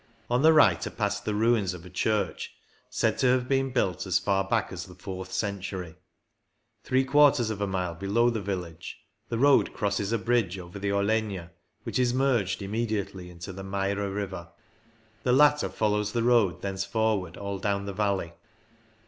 On the right are passed the ruins of a church said to have been built as far back as the fourth century. Three quarters of a mile below the village the road crosses a bridge over the Orlegna, which is merged immediately into the Maira river; the latter follows the road thenceforward all down the valley.